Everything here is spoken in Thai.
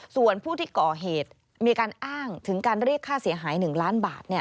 ส่วนผู้ที่ก่อเหตุมีการอ้างถึงการเรียกค่าเสียหาย๑ล้านบาท